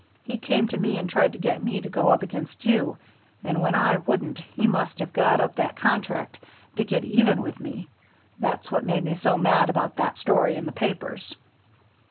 He came to me and tried to get me to go up against you, and when I wouldn't he must have got up that contract to get even with me. That's what made me so mad about that story in the papers."